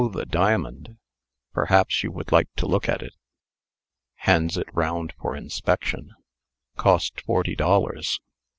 the diamond. Perhaps you would like to look at it?" (hands it round for inspection). "Cost forty dollars.